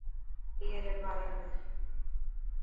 اي ري باري ۾.